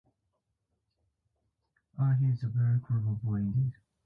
And he is a very clever boy, indeed.